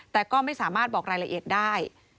แต่ก็ไม่สามารถบอกรายละเอียดได้